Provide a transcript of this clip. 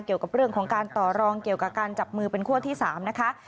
เกี่ยวกับเรื่องของการต่อรองเกี่ยวกับการจับมือเป็นขั้วที่๓นะคะ